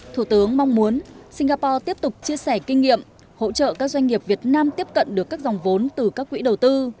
thủ tướng mong muốn singapore tiếp tục chia sẻ kinh nghiệm hỗ trợ các doanh nghiệp việt nam tiếp cận được các dòng vốn từ các quỹ đầu tư